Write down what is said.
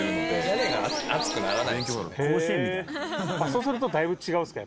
そうするとだいぶ違うんですか？